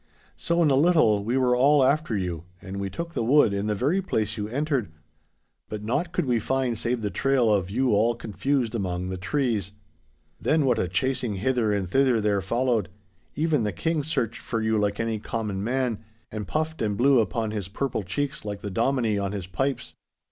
'So, in a little, we were all after you, and we took the wood in the very place you entered. But naught could we find save the trail of you all confused among the trees. Then what a chasing hither and thither there followed. Even the King searched for you like any common man, and puffed and blew upon his purple cheeks like the Dominie on his pipes.